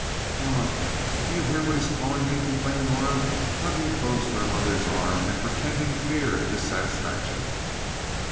"Mama, do you hear what he's calling me?" complained Norah, hugging close to her mother's arm and pretending fear and dissatisfaction.